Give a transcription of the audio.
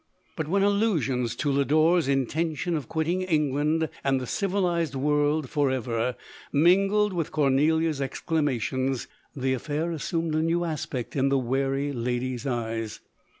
But when allusions to Lodore's intention of quitting England and the civilized world for ever, mingled with Cornelia's exclamations, the affair asumed a new aspect in the wary lady's eyes.